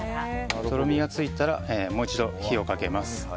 とろみがついたらもう一度火をかけます。